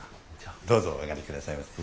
どうぞお上がりくださいませ。